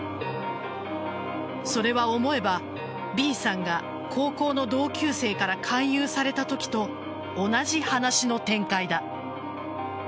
それは、思えばＢさんが高校の同級生から勧誘されたときと同じ話の展開だ。